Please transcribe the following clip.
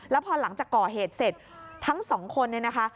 แล้วพอหลังจากก่อเหตุเสร็จทั้งสองคนเนี่ยนะคะ